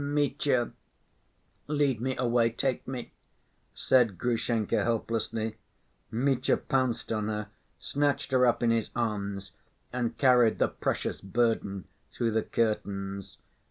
"Mitya, lead me away ... take me," said Grushenka helplessly. Mitya pounced on her, snatched her up in his arms, and carried the precious burden through the curtains.